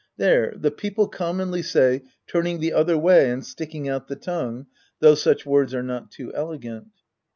There, the people commonly say " turning the other way and sticking out the tongue," though such words are not too elegant.